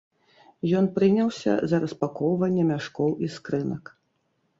Ён прыняўся за распакоўванне мяшкоў і скрынак.